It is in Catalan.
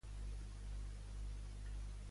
A qui va ajudar Leucòtea, segons Homer?